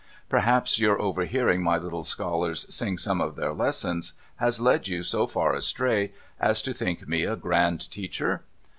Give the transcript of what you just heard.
Perhaps your overhearing my little scholars sing some of their lessons has led you so far astray as to think me a grand teacher